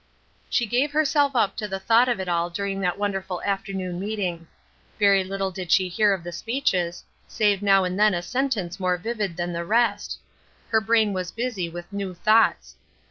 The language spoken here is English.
She gave herself up to the thought of it all during that wonderful afternoon meeting. Very little did she hear of the speeches, save now and then a sentence more vivid than the rest; her brain was busy with new thoughts.